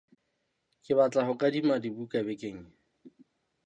Ke batla ho kadima dibuka bekeng ena!